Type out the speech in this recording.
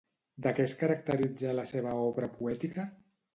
De què es caracteritza la seva obra poètica?